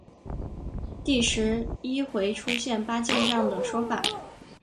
第十一回出现八健将的说法。